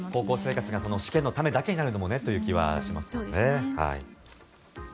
高校生活が試験のためだけになるのもなという気もしますね。